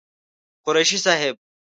قريشي صاحب